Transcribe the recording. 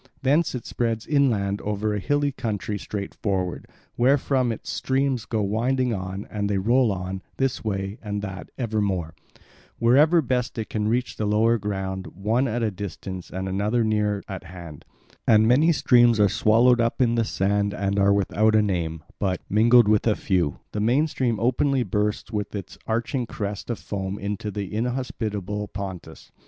Thence it spreads inland over a hilly country straight forward; wherefrom its streams go winding on, and they roll on, this way and that ever more, wherever best they can reach the lower ground, one at a distance and another near at hand; and many streams are swallowed up in the sand and are without a name; but, mingled with a few, the main stream openly bursts with its arching crest of foam into the inhospitable Pontus.